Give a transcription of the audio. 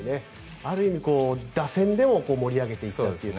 ある意味打線でも盛り上げていったという。